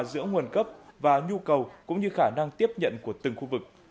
giữa nguồn cấp và nhu cầu cũng như khả năng tiếp nhận của từng khu vực